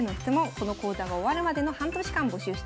この講座が終わるまでの半年間募集しております。